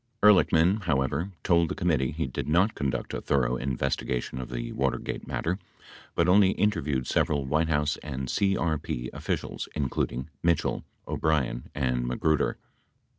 75 Ehrlichman, however, told the committee he did not conduct a thorough investigation of the Watergate matter but only interviewed several White House and CRP officials including Mitchell, O'Brien and Magruder.